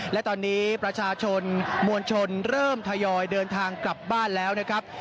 และตอนนี้ประชาชนมวลชนเริ่มทยอยเดินทางกลับบ้านแล้วนะครับ